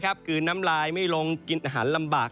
คือน้ำลายไม่ลงกินอาหารลำบาก